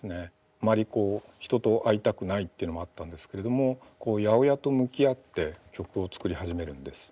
あまり人と会いたくないっていうのもあったんですけれども８０８と向き合って曲を作り始めるんです。